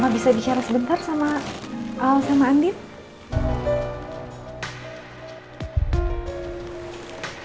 mama bisa bicara sebentar sama andien